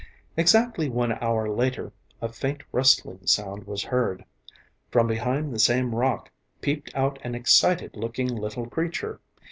Exactly one hour later, a faint rustling sound was heard. From behind the same rock peeped out an excited looking little creature.